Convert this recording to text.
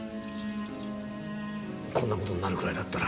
こんな事になるくらいだったら。